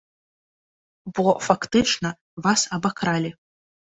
Бо, фактычна, вас абакралі.